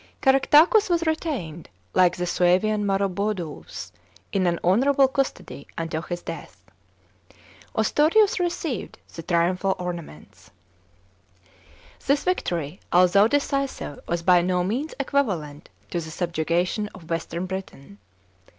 Caractacus was retained, like the Suevian Mrtroboduus, in an honourable custody until his death. Ostorius received the triumphal orna ments. § 8. This victory, although decisive, was by no means equivalent 12 266 THE CONQUEST OF BKITAIN CHAP. xvi. to the subjugation of western Britain.